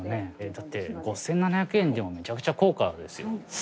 だって５，７００円でもめちゃくちゃ高価ですよ。